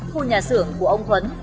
khu nhà xưởng của ông tuấn